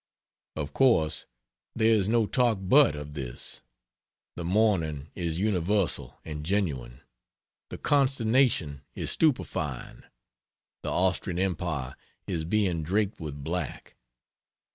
Of course there is no talk but of this. The mourning is universal and genuine, the consternation is stupefying. The Austrian Empire is being draped with black.